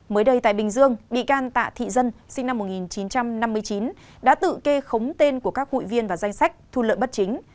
mới đây tại bình dương bị can tạ thị dân sinh năm một nghìn chín trăm năm mươi chín đã tự kê khống tên của các hụi viên vào danh sách thu lợi bất chính